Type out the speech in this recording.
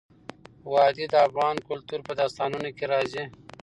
وادي د افغان کلتور په داستانونو کې راځي.